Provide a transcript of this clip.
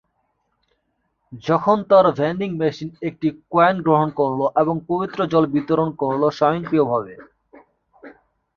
যখন তার vending machine একটি কয়েন গ্রহণ করলো এবং পবিত্র জল বিতরণ করলো স্বয়ংক্রিয়ভাবে।